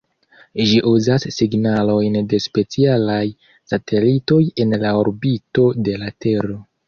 Ĝi uzas signalojn de specialaj satelitoj en la orbito de la tero.